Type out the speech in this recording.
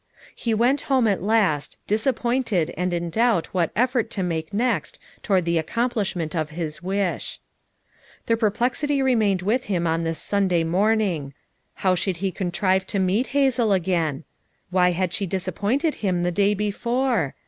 He went home at last, disap pointed and in doubt what effort to make FOUR MOTHERS AT CHAUTAUQUA 211 next toward the accomplishment of his wish* The perplexity remained with him on this Sunday morning. How should he contrive to meet Hazel again? Why had she disappointed him the day before?